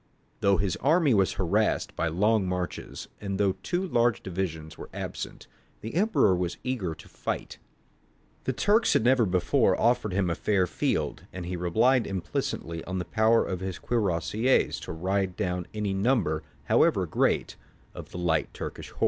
Though his army was harassed by long marches, and though two large divisions were absent, the Emperor was eager to fight. The Turks had never before offered him a fair field, and he relied implicitly on the power of his cuirassiers to ride down any number, however great, of the light Turkish horse.